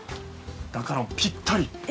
だから、ぴったり。